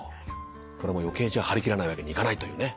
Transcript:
これ余計張り切らないわけにいかないというね。